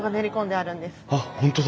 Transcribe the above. あっ本当だ。